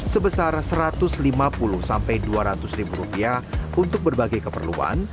sebesar satu ratus lima puluh dua ratus ribu rupiah untuk berbagai keperluan